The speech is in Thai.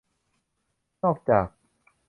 นอกจาก